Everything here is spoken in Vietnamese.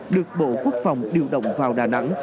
được bộ quốc phòng điều động vào đà nẵng